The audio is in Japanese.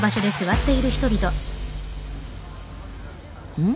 うん？